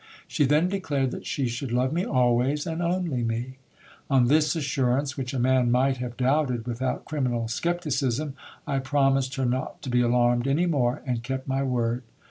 She then declared that she should love me always, and only me. On this assurance, which a man might have doubted with io6 GIL BLAS. out criminal scepticism, I promised her not to be alarmed any more, and kept my word.